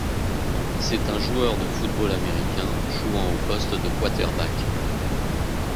C'est un joueur de football américain jouant au poste de quarterback.